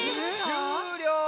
しゅうりょう。